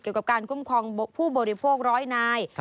เกี่ยวกับการคุ้มครองผู้บริโภคร้อยนาย